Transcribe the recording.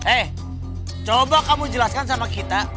eh coba kamu jelaskan sama kita